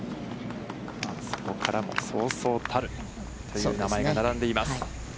そこからも、そうそうたるという名前が並んでいます。